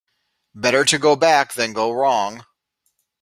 Better to go back than go wrong.